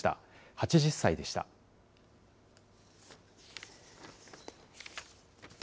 ８０歳でした。